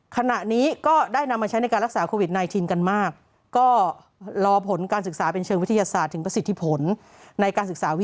ขณะนี้ก็ได้นำมาใช้ในการรักษาโควิด๑๙กันมาก